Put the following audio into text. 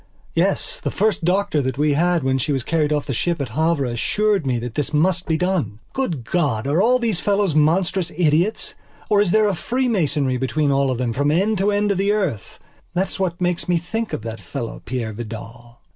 Yes, the first doctor that we had when she was carried off the ship at Havre assured me that this must be done. Good God, are all these fellows monstrous idiots, or is there a freemasonry between all of them from end to end of the earth?... That is what makes me think of that fellow Peire Vidal.